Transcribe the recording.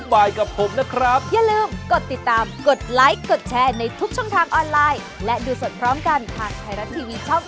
โปรดติดตามตอนต่อไป